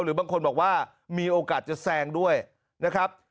หรือบางคนบอกว่ามีโอกาสจะแซงด้วยนะครับ